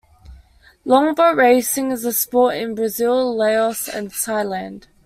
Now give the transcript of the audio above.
Longboat racing is a sport in Brazil, Laos and Thailand.